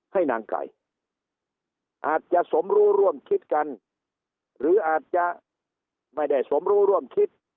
ให้นางไก่อาจจะสมรู้ร่วมคิดกันหรืออาจจะไม่ได้สมรู้ร่วมคิด